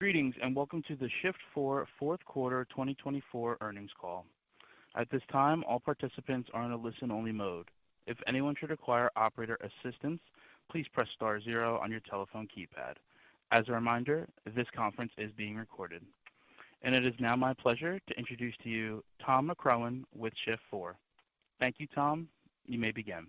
Greetings and welcome to the Shift4 fourth quarter 2024 earnings call. At this time, all participants are in a listen-only mode. If anyone should require operator assistance, please press star zero on your telephone keypad. As a reminder, this conference is being recorded, and it is now my pleasure to introduce to you Tom McCrohan with Shift4. Thank you, Tom. You may begin.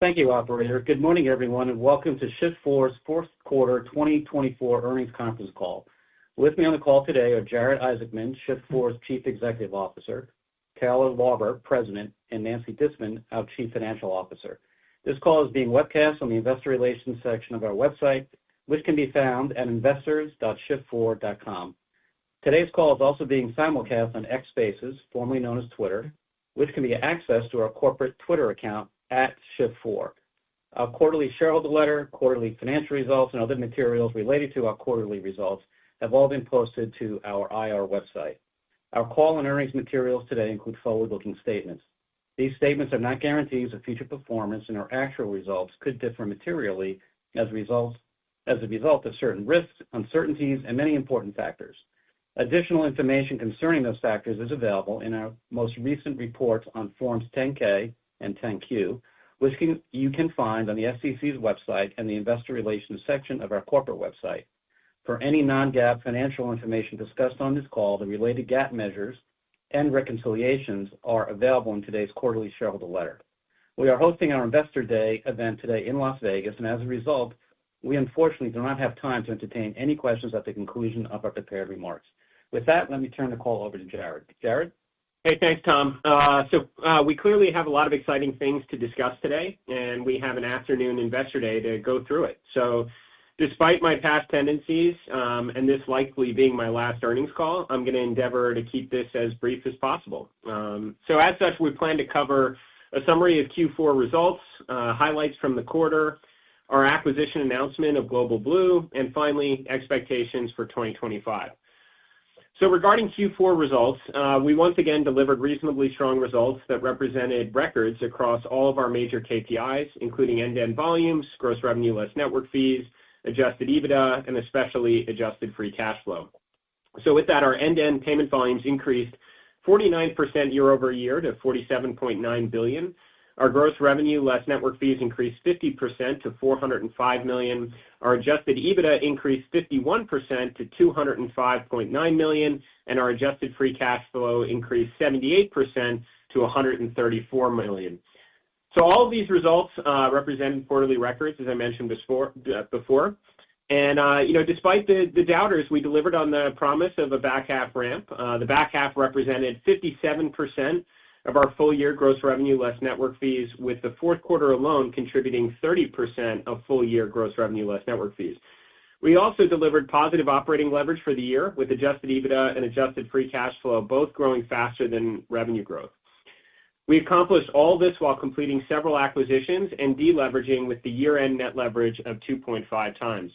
Thank you, Operator. Good morning, everyone, and welcome to Shift4's fourth quarter 2024 earnings conference call. With me on the call today are Jared Isaacman, Shift4's Chief Executive Officer, Taylor Lauber, President, and Nancy Disman, our Chief Financial Officer. This call is being webcast on the Investor Relations section of our website, which can be found at investors.shift4.com. Today's call is also being simulcast on X Spaces, formerly known as Twitter, which can be accessed through our corporate Twitter account @Shift4. Our quarterly shareholder letter, quarterly financial results, and other materials related to our quarterly results have all been posted to our IR website. Our call and earnings materials today include forward-looking statements. These statements are not guarantees of future performance, and our actual results could differ materially as a result of certain risks, uncertainties, and many important factors. Additional information concerning those factors is available in our most recent report on Forms 10-K and 10-Q, which you can find on the SEC's website and the Investor Relations section of our corporate website. For any non-GAAP financial information discussed on this call, the related GAAP measures and reconciliations are available in today's quarterly shareholder letter. We are hosting our Investor Day event today in Las Vegas, and as a result, we unfortunately do not have time to entertain any questions at the conclusion of our prepared remarks. With that, let me turn the call over to Jared. Jared? Hey, thanks, Tom. So we clearly have a lot of exciting things to discuss today, and we have an afternoon Investor Day to go through it. So despite my past tendencies and this likely being my last earnings call, I'm going to endeavor to keep this as brief as possible. So as such, we plan to cover a summary of Q4 results, highlights from the quarter, our acquisition announcement of Global Blue, and finally, expectations for 2025. So regarding Q4 results, we once again delivered reasonably strong results that represented records across all of our major KPIs, including end-to-end volumes, Gross Revenue Less Network Fees, Adjusted EBITDA, and especially Adjusted Free Cash Flow. So with that, our end-to-end payment volumes increased 49% year-over-year to $47.9 billion. Our Gross Revenue Less Network Fees increased 50% to $405 million. Our Adjusted EBITDA increased 51% to $205.9 million, and our Adjusted Free Cash Flow increased 78% to $134 million. So all of these results represent quarterly records, as I mentioned before. And despite the doubters, we delivered on the promise of a back half ramp. The back half represented 57% of our full-year Gross Revenue Less Network Fees, with the fourth quarter alone contributing 30% of full-year Gross Revenue Less Network Fees. We also delivered positive operating leverage for the year, with Adjusted EBITDA and Adjusted Free Cash Flow both growing faster than revenue growth. We accomplished all this while completing several acquisitions and deleveraging with the year-end net leverage of 2.5 times.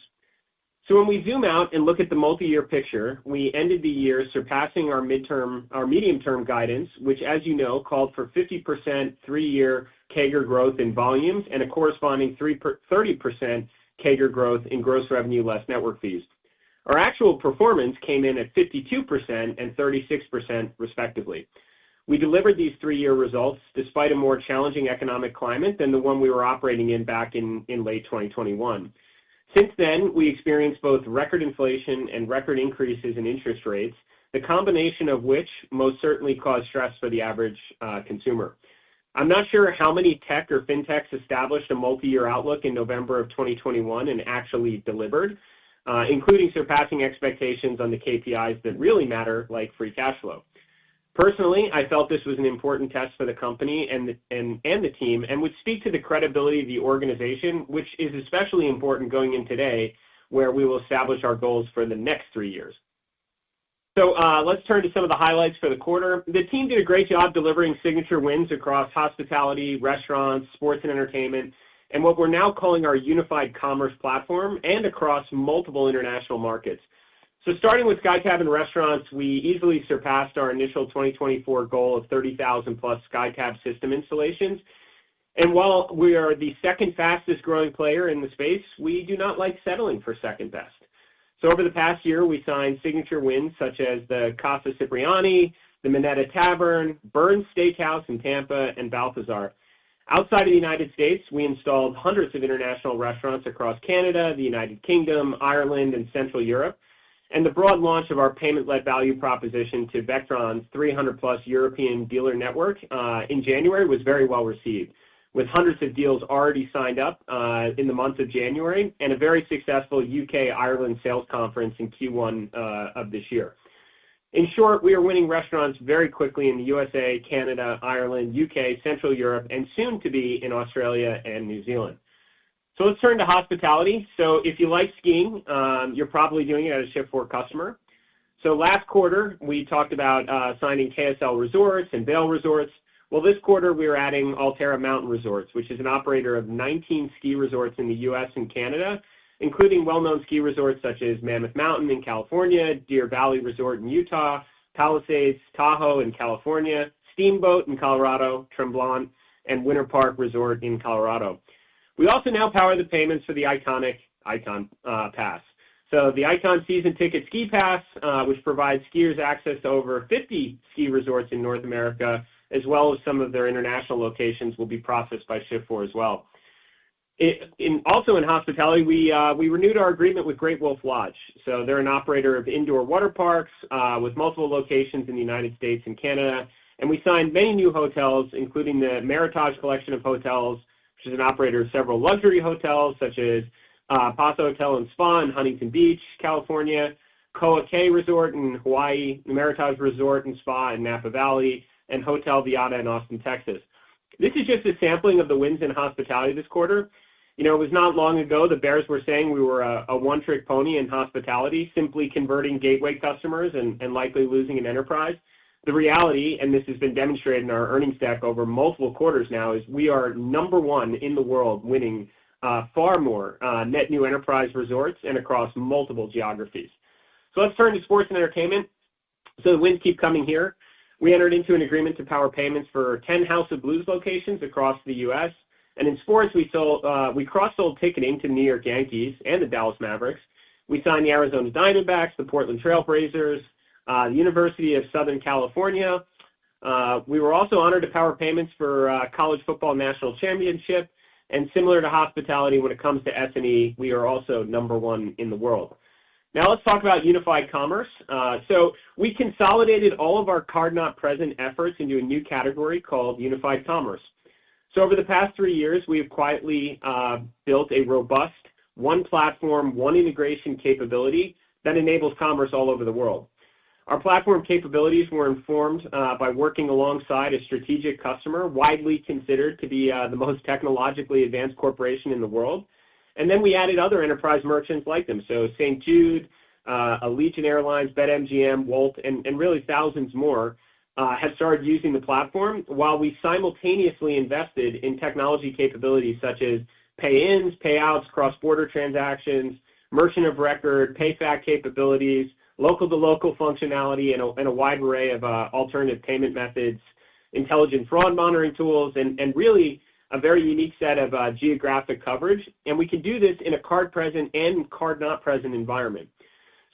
So when we zoom out and look at the multi-year picture, we ended the year surpassing our medium-term guidance, which, as you know, called for 50% three-year CAGR growth in volumes and a corresponding 30% CAGR growth in Gross Revenue Less Network Fees. Our actual performance came in at 52%-36%, respectively. We delivered these three-year results despite a more challenging economic climate than the one we were operating in back in late 2021. Since then, we experienced both record inflation and record increases in interest rates, the combination of which most certainly caused stress for the average consumer. I'm not sure how many tech or fintechs established a multi-year outlook in November of 2021 and actually delivered, including surpassing expectations on the KPIs that really matter, like free cash flow. Personally, I felt this was an important test for the company and the team and would speak to the credibility of the organization, which is especially important going in today where we will establish our goals for the next three years. So let's turn to some of the highlights for the quarter. The team did a great job delivering signature wins across hospitality, restaurants, sports, and entertainment, and what we're now calling our Unified Commerce platform and across multiple international markets. So starting with SkyTab and restaurants, we easily surpassed our initial 2024 goal of 30,000-plus SkyTab system installations. And while we are the second fastest-growing player in the space, we do not like settling for second best. So over the past year, we signed signature wins such as the Casa Cipriani, the Minetta Tavern, Bern's Steak House in Tampa, and Balthazar. Outside of the United States, we installed hundreds of international restaurants across Canada, the United Kingdom, Ireland, and Central Europe, and the broad launch of our payment-led value proposition to Vectron's 300-plus European dealer network in January was very well received, with hundreds of deals already signed up in the month of January and a very successful U.K.-Ireland sales conference in Q1 of this year. In short, we are winning restaurants very quickly in the U.S.A., Canada, Ireland, U.K., Central Europe, and soon to be in Australia and New Zealand. So let's turn to hospitality. So if you like skiing, you're probably doing it as a Shift4 customer. So last quarter, we talked about signing KSL Resorts and Vail Resorts. This quarter, we are adding Alterra Mountain Resorts, which is an operator of 19 ski resorts in the U.S. and Canada, including well-known ski resorts such as Mammoth Mountain in California, Deer Valley Resort in Utah, Palisades Tahoe in California, Steamboat in Colorado, Tremblant, and Winter Park Resort in Colorado. We also now power the payments for the iconic Ikon Pass. The Ikon season ticket ski pass, which provides skiers access to over 50 ski resorts in North America, as well as some of their international locations, will be processed by Shift4 as well. Also in hospitality, we renewed our agreement with Great Wolf Lodge. They're an operator of indoor water parks with multiple locations in the United States and Canada. We signed many new hotels, including the Meritage Collection, which is an operator of several luxury hotels such as Paséa Hotel & Spa in Huntington Beach, California, Ko'a Kea Resort & Spa in Hawaii, The Meritage Resort and Spa in Napa Valley, and Hotel Viata in Austin, Texas. This is just a sampling of the wins in hospitality this quarter. It was not long ago the bears were saying we were a one-trick pony in hospitality, simply converting gateway customers and likely losing an enterprise. The reality, and this has been demonstrated in our earnings deck over multiple quarters now, is we are number one in the world, winning far more net new enterprise resorts and across multiple geographies. Let's turn to sports and entertainment. The wins keep coming here. We entered into an agreement to power payments for 10 House of Blues locations across the U.S. In sports, we cross-sold ticketing to New York Yankees and the Dallas Mavericks. We signed the Arizona Diamondbacks, the Portland Trail Blazers, the University of Southern California. We were also honored to power payments for College Football National Championship. Similar to hospitality, when it comes to S&E, we are also number one in the world. Now let's talk about Unified Commerce. We consolidated all of our card present efforts into a new category called Unified Commerce. Over the past three years, we have quietly built a robust one-platform, one-integration capability that enables commerce all over the world. Our platform capabilities were informed by working alongside a strategic customer widely considered to be the most technologically advanced corporation in the world. We added other enterprise merchants like them. St. Jude, Allegiant Air, BetMGM, Wolt, and really thousands more have started using the platform while we simultaneously invested in technology capabilities such as pay-ins, payouts, cross-border transactions, merchant of record, PayFac capabilities, local-to-local functionality, and a wide array of alternative payment methods, intelligent fraud monitoring tools, and really a very unique set of geographic coverage. We can do this in a card-present and card-not-present environment.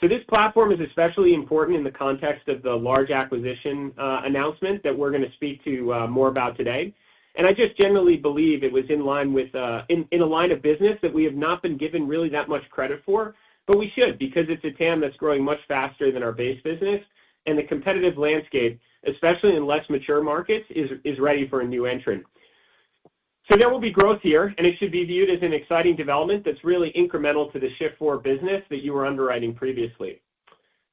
This platform is especially important in the context of the large acquisition announcement that we're going to speak to more about today. I just generally believe it was in line with a line of business that we have not been given really that much credit for, but we should because it's a TAM that's growing much faster than our base business. The competitive landscape, especially in less mature markets, is ready for a new entrant. So there will be growth here, and it should be viewed as an exciting development that's really incremental to the Shift4 business that you were underwriting previously.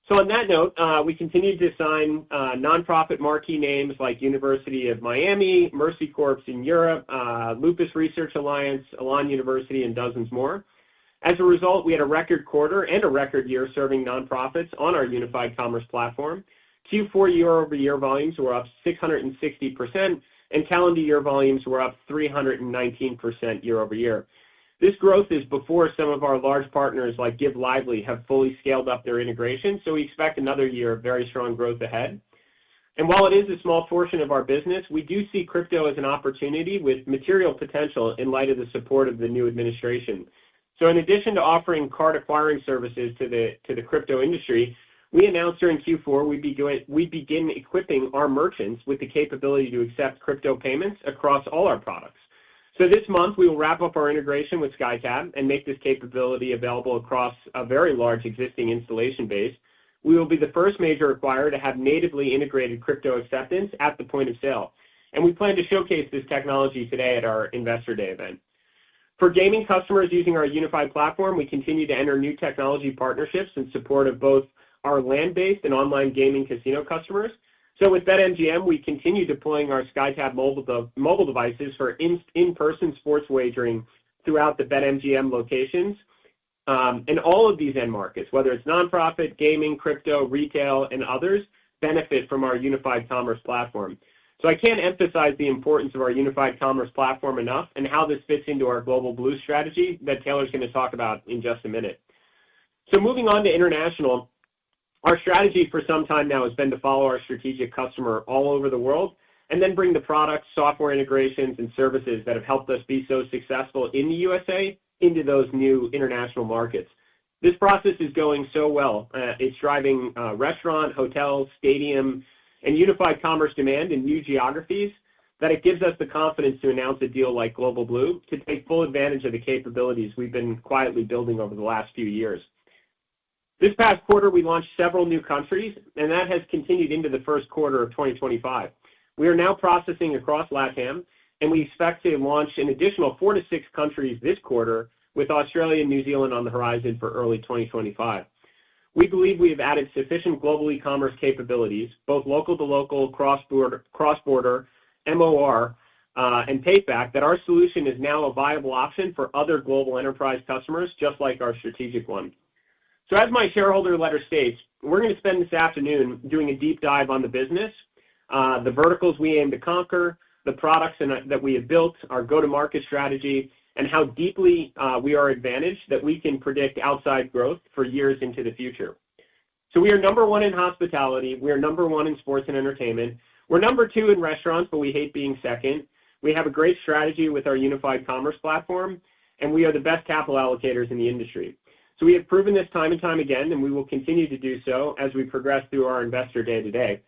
So on that note, we continued to sign nonprofit marquee names like University of Miami, Mercy Corps in Europe, Lupus Research Alliance, Elon University, and dozens more. As a result, we had a record quarter and a record year serving nonprofits on our Unified Commerce platform. Q4 year-over-year volumes were up 660%, and calendar year volumes were up 319% year-over-year. This growth is before some of our large partners like Give Lively have fully scaled up their integration, so we expect another year of very strong growth ahead. And while it is a small portion of our business, we do see crypto as an opportunity with material potential in light of the support of the new administration. So in addition to offering card acquiring services to the crypto industry, we announced during Q4 we'd begin equipping our merchants with the capability to accept crypto payments across all our products. So this month, we will wrap up our integration with SkyTab and make this capability available across a very large existing installation base. We will be the first major acquirer to have natively integrated crypto acceptance at the point of sale. And we plan to showcase this technology today at our Investor Day event. For gaming customers using our unified platform, we continue to enter new technology partnerships in support of both our land-based and online gaming casino customers. So with BetMGM, we continue deploying our SkyTab mobile devices for in-person sports wagering throughout the BetMGM locations. And all of these end markets, whether it's nonprofit, gaming, crypto, retail, and others, benefit from our Unified Commerce platform. So I can't emphasize the importance of our Unified Commerce platform enough and how this fits into our Global Blue strategy that Taylor is going to talk about in just a minute. So moving on to international, our strategy for some time now has been to follow our strategic customer all over the world and then bring the products, software integrations, and services that have helped us be so successful in the U.S.A. into those new international markets. This process is going so well. It's driving restaurant, hotel, stadium, and Unified Commerce demand in new geographies that it gives us the confidence to announce a deal like Global Blue to take full advantage of the capabilities we've been quietly building over the last few years. This past quarter, we launched several new countries, and that has continued into the first quarter of 2025. We are now processing across LatAm, and we expect to launch in additional four to six countries this quarter with Australia and New Zealand on the horizon for early 2025. We believe we have added sufficient global e-commerce capabilities, both local-to-local, cross-border, MOR, and PayFac, that our solution is now a viable option for other global enterprise customers just like our strategic one. So as my shareholder letter states, we're going to spend this afternoon doing a deep dive on the business, the verticals we aim to conquer, the products that we have built, our go-to-market strategy, and how deeply we are advantaged that we can predict outside growth for years into the future. So we are number one in hospitality. We are number one in sports and entertainment. We're number two in restaurants, but we hate being second. We have a great strategy with our Unified Commerce platform, and we are the best capital allocators in the industry, so we have proven this time and time again, and we will continue to do so as we progress through our Investor Day today.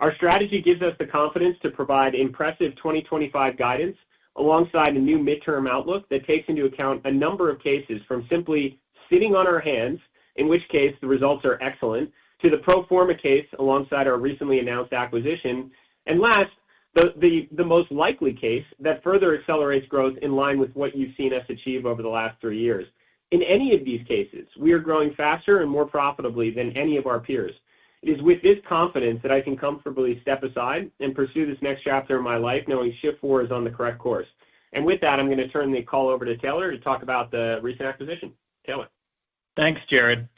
Our strategy gives us the confidence to provide impressive 2025 guidance alongside a new mid-term outlook that takes into account a number of cases from simply sitting on our hands, in which case the results are excellent, to the pro forma case alongside our recently announced acquisition, and last, the most likely case that further accelerates growth in line with what you've seen us achieve over the last three years. In any of these cases, we are growing faster and more profitably than any of our peers. It is with this confidence that I can comfortably step aside and pursue this next chapter of my life, knowing Shift4 is on the correct course. And with that, I'm going to turn the call over to Taylor to talk about the recent acquisition. Taylor. Thanks, Jared.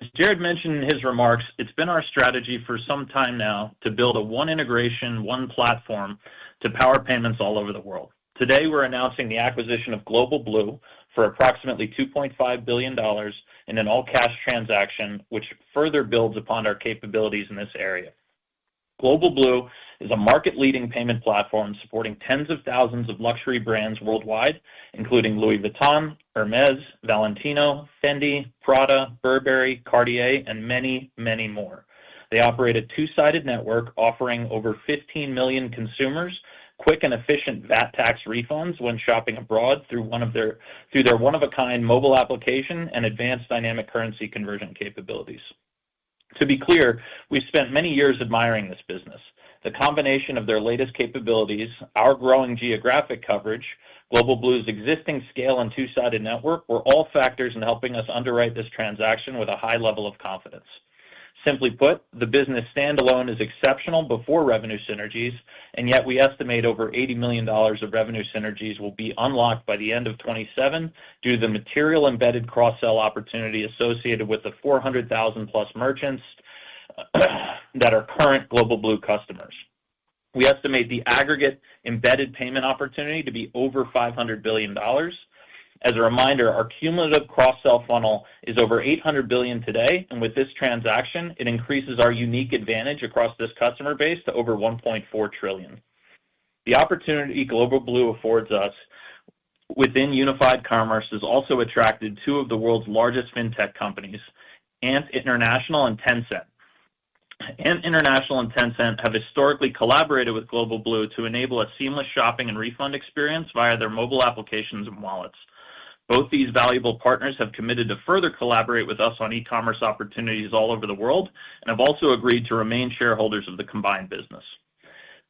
As Jared mentioned in his remarks, it's been our strategy for some time now to build a one integration, one platform to power payments all over the world. Today, we're announcing the acquisition of Global Blue for approximately $2.5 billion in an all-cash transaction, which further builds upon our capabilities in this area. Global Blue is a market-leading payment platform supporting tens of thousands of luxury brands worldwide, including Louis Vuitton, Hermès, Valentino, Fendi, Prada, Burberry, Cartier, and many, many more. They operate a two-sided network offering over 15 million consumers quick and efficient VAT tax refunds when shopping abroad through their one-of-a-kind mobile application and advanced dynamic currency conversion capabilities. To be clear, we've spent many years admiring this business. The combination of their latest capabilities, our growing geographic coverage, Global Blue's existing scale and two-sided network were all factors in helping us underwrite this transaction with a high level of confidence. Simply put, the business standalone is exceptional before revenue synergies, and yet we estimate over $80 million of revenue synergies will be unlocked by the end of 2027 due to the material embedded cross-sell opportunity associated with the 400,000-plus merchants that are current Global Blue customers. We estimate the aggregate embedded payment opportunity to be over $500 billion. As a reminder, our cumulative cross-sell funnel is over $800 billion today, and with this transaction, it increases our unique advantage across this customer base to over $1.4 trillion. The opportunity Global Blue affords us within Unified Commerce has also attracted two of the world's largest fintech companies, Ant International and Tencent. Ant International and Tencent have historically collaborated with Global Blue to enable a seamless shopping and refund experience via their mobile applications and wallets. Both these valuable partners have committed to further collaborate with us on e-commerce opportunities all over the world and have also agreed to remain shareholders of the combined business.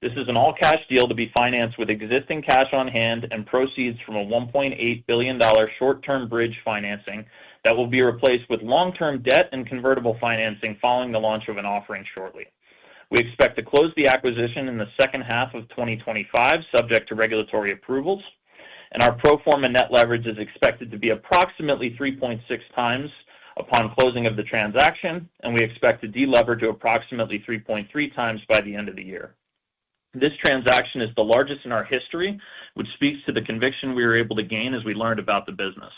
This is an all-cash deal to be financed with existing cash on hand and proceeds from a $1.8 billion short-term bridge financing that will be replaced with long-term debt and convertible financing following the launch of an offering shortly. We expect to close the acquisition in the second half of 2025, subject to regulatory approvals. Our pro forma net leverage is expected to be approximately 3.6 times upon closing of the transaction, and we expect to de-leverage to approximately 3.3 times by the end of the year. This transaction is the largest in our history, which speaks to the conviction we were able to gain as we learned about the business.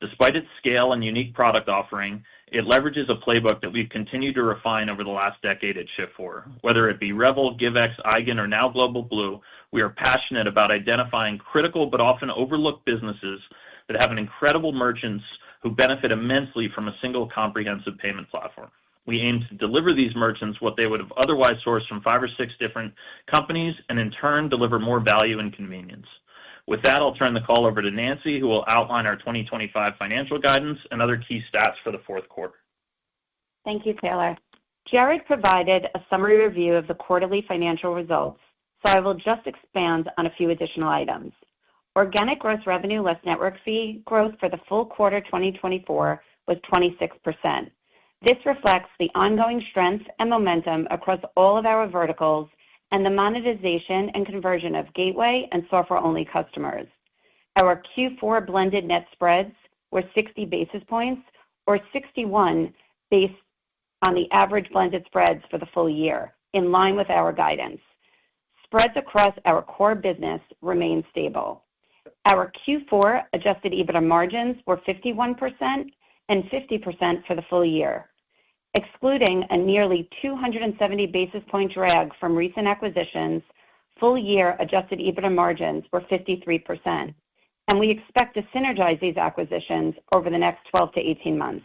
Despite its scale and unique product offering, it leverages a playbook that we've continued to refine over the last decade at Shift4. Whether it be Revel, Givex, Eigen, or now Global Blue, we are passionate about identifying critical but often overlooked businesses that have incredible merchants who benefit immensely from a single comprehensive payment platform. We aim to deliver these merchants what they would have otherwise sourced from five or six different companies and, in turn, deliver more value and convenience. With that, I'll turn the call over to Nancy, who will outline our 2025 financial guidance and other key stats for the fourth quarter. Thank you, Taylor. Jared provided a summary review of the quarterly financial results, so I will just expand on a few additional items. Organic Gross Revenue Less Network Fee growth for the full year 2024 was 26%. This reflects the ongoing strength and momentum across all of our verticals and the monetization and conversion of gateway and software-only customers. Our Q4 blended net spreads were 60 basis points or 61 basis points based on the average blended spreads for the full year, in line with our guidance. Spreads across our core business remain stable. Our Q4 Adjusted EBITDA margins were 51% and 50% for the full year. Excluding a nearly 270 basis point drag from recent acquisitions, full-year Adjusted EBITDA margins were 53%, and we expect to synergize these acquisitions over the next 12 to 18 months.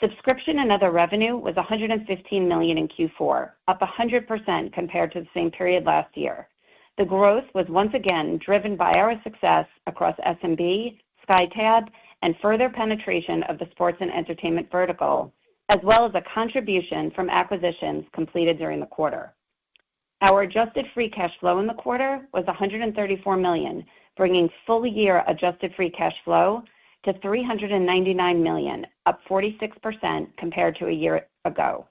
Subscription and other revenue was $115 million in Q4, up 100% compared to the same period last year. The growth was once again driven by our success across SMB, SkyTab, and further penetration of the sports and entertainment vertical, as well as a contribution from acquisitions completed during the quarter. Our Adjusted Free Cash Flow in the quarter was $134 million, bringing full-year Adjusted Free Cash Flow to $399 million, up 46% compared to a year ago.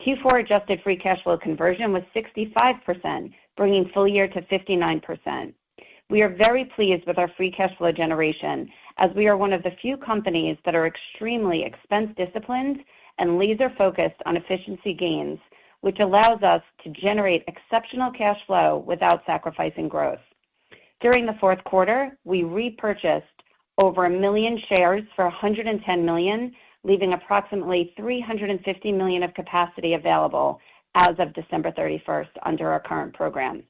Q4 Adjusted Free Cash Flow conversion was 65%, bringing full-year to 59%. We are very pleased with our free cash flow generation as we are one of the few companies that are extremely expense-disciplined and laser-focused on efficiency gains, which allows us to generate exceptional cash flow without sacrificing growth. During the fourth quarter, we repurchased over a million shares for $110 million, leaving approximately $350 million of capacity available as of December 31st under our current program.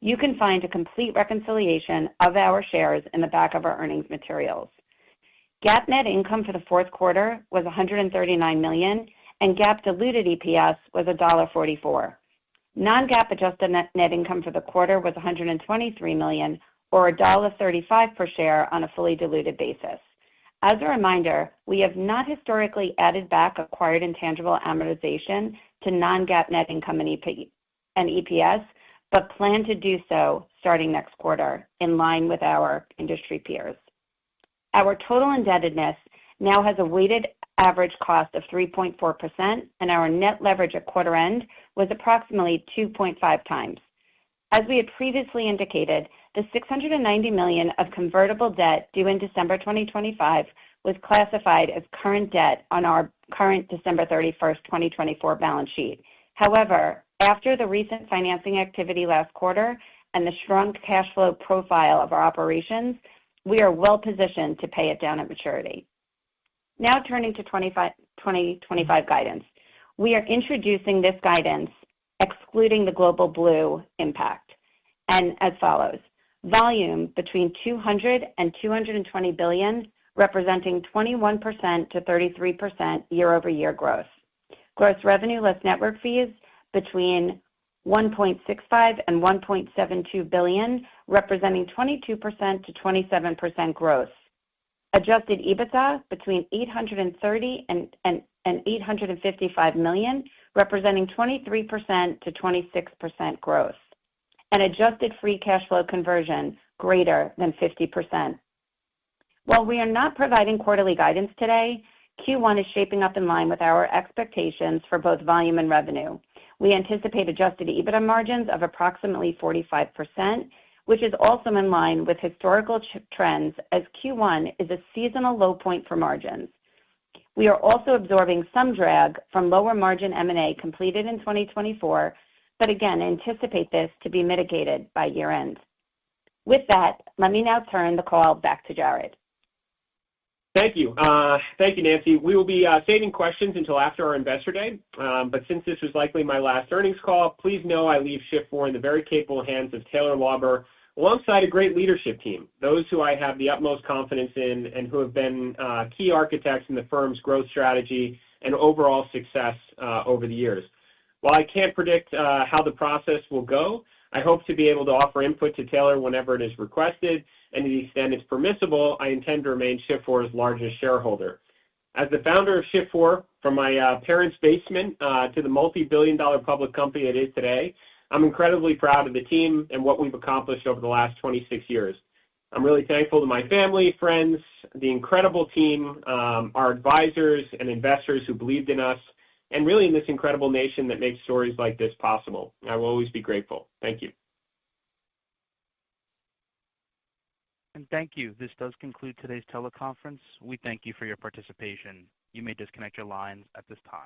You can find a complete reconciliation of our shares in the back of our earnings materials. GAAP net income for the fourth quarter was $139 million, and GAAP diluted EPS was $1.44. Non-GAAP adjusted net income for the quarter was $123 million or $1.35 per share on a fully diluted basis. As a reminder, we have not historically added back acquired intangible amortization to non-GAAP net income and EPS, but plan to do so starting next quarter in line with our industry peers. Our total indebtedness now has a weighted average cost of 3.4%, and our net leverage at quarter-end was approximately 2.5 times. As we had previously indicated, the $690 million of convertible debt due in December 2025 was classified as current debt on our current December 31st, 2024 balance sheet. However, after the recent financing activity last quarter and the shrunk cash flow profile of our operations, we are well-positioned to pay it down at maturity. Now turning to 2025 guidance, we are introducing this guidance excluding the Global Blue impact, and as follows. Volume between $200 billion-$220 billion, representing 21%-33% year-over-year growth. Gross Revenue Less Network Fees between $1.65 billion-$1.72 billion, representing 22%-27% growth. Adjusted EBITDA between $830 million-$855 million, representing 23%-26% growth. And Adjusted Free Cash Flow conversion greater than 50%. While we are not providing quarterly guidance today, Q1 is shaping up in line with our expectations for both volume and revenue. We anticipate Adjusted EBITDA margins of approximately 45%, which is also in line with historical trends as Q1 is a seasonal low point for margins. We are also absorbing some drag from lower margin M&A completed in 2024, but again, anticipate this to be mitigated by year-end. With that, let me now turn the call back to Jared. Thank you. Thank you, Nancy. We will be saving questions until after our investor day. But since this is likely my last earnings call, please know I leave Shift4 in the very capable hands of Taylor Lauber, alongside a great leadership team, those who I have the utmost confidence in and who have been key architects in the firm's growth strategy and overall success over the years. While I can't predict how the process will go, I hope to be able to offer input to Taylor whenever it is requested, and to the extent it's permissible, I intend to remain Shift4's largest shareholder. As the founder of Shift4, from my parents' basement to the multi-billion-dollar public company it is today, I'm incredibly proud of the team and what we've accomplished over the last 26 years. I'm really thankful to my family, friends, the incredible team, our advisors, and investors who believed in us, and really in this incredible nation that makes stories like this possible. I will always be grateful. Thank you. and thank you. This does conclude today's teleconference. We thank you for your participation. You may disconnect your lines at this time.